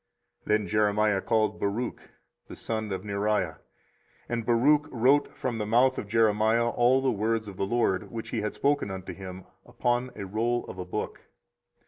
24:036:004 Then Jeremiah called Baruch the son of Neriah: and Baruch wrote from the mouth of Jeremiah all the words of the LORD, which he had spoken unto him, upon a roll of a book.